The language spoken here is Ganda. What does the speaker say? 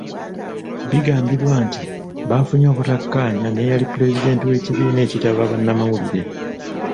Bigambibwa nti bafunye obutakkaanya n'eyali Pulezidenti w'ekibiina ekitaba bannamawulire.